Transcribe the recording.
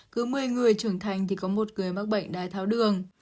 cứ một mươi người trưởng thành thì có một người mắc bệnh đái tháo đường